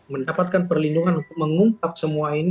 mendapatkan perlindungan untuk mengungkap semua ini